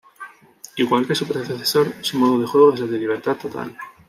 Igual que su predecesor, su modo de juego es de libertad total.